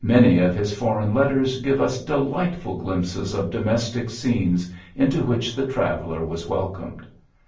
Many of his foreign letters give us delightful glimi^ses of domestic scenes into which the traveller was welcomed.